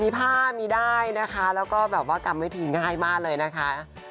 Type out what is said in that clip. มีผ้ามีได้นะคะแล้วก็แบบว่ากรรมวิธีง่ายมากเลยนะคะ